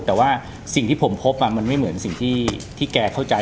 แต่ว่าสิ่งที่ผมพบมันไม่เหมือนสิ่งที่แกเข้าใจ